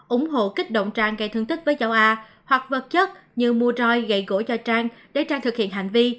ủng hộ kích động trang gây thương tích với cháu a hoặc vật chất như mua roy gậy gỗ cho trang để trang thực hiện hành vi